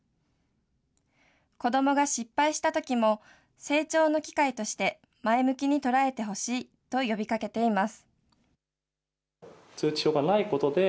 子どもが失敗したときも、成長の機会として前向きに捉えてほしいと呼びかけています。